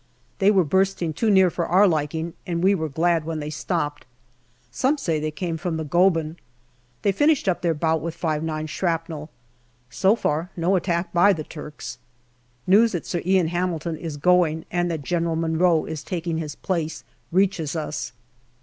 They were bursting too near for our liking, and we were glad when they stopped. Some say they came from the Goeben. They finished up their bout with 5 9 shrapnel. So far no attack by the Turks. News that Sir Ian Hamilton is going and that General Munro is taking his place reaches us.